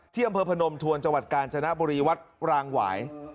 ที่อำเภอพนมทวนจังหวัดกาลชนะบุรีวัฒน์รางหวาย